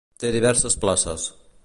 Té diverses places.